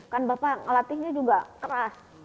kan bapak ngelatihnya juga keras